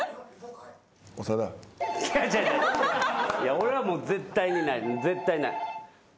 俺はもう絶対にない絶対ない。